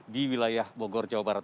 di wilayah bogor jawa barat